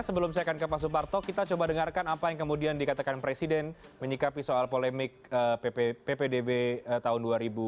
sebelum saya akan ke pak suparto kita coba dengarkan apa yang kemudian dikatakan presiden menyikapi soal polemik ppdb tahun dua ribu dua puluh